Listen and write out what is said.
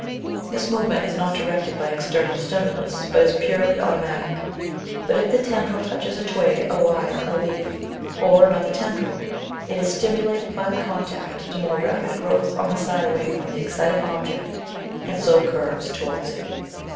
This movement is not directed by external stimulus, but is purely automatic. But if the tendril touches a twig, a wire, a leaf, or another tendril, it is stimulated by the contact to more rapid growth on the side away from the exciting object, and so curves towards it.